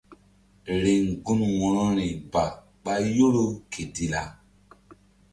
Riŋ gun wo̧rori ba ɓa yoro ke dilla.